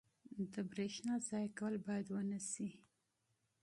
• د برېښنا ضایع کول باید ونه شي.